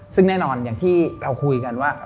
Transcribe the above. ซึ่งแน่นอนอย่างที่เราคุยกันว่า